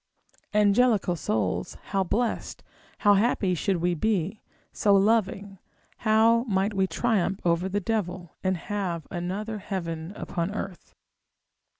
Angelical souls, how blessed, how happy should we be, so loving, how might we triumph over the devil, and have another heaven upon earth!